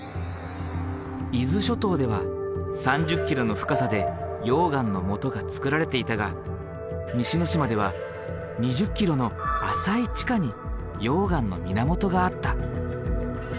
伊豆諸島では３０ｋｍの深さで溶岩のもとがつくられていたが西之島では２０ｋｍの浅い地下に溶岩の源があった。